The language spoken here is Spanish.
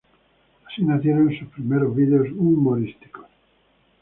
Así nacieron sus primeros videos humorísticos.